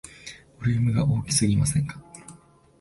ボリュームが大きすぎませんか